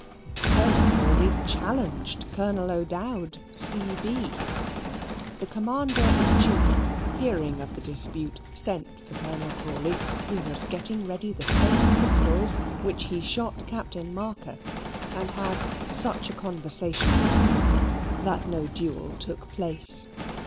Colonel Crawley challenged Colonel O'Dowd, C.B. The Commander in Chief hearing of the dispute sent for Colonel Crawley, who was getting ready the same pistols "which he shot Captain Marker," and had such a conversation with him that no duel took place.